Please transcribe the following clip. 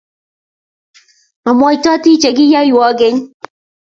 Amwaitooti che kiyaiywa keny,